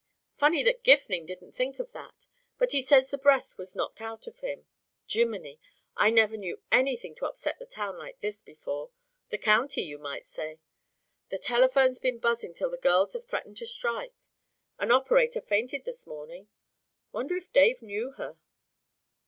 Funny that Gifning didn't think of that. But he says the breath was knocked out of him. Jimminy! I never knew anything to upset the town like this before the county, you might say. The telephone's been buzzin' till the girls have threatened to strike. An operator fainted this morning wonder if Dave knew her?"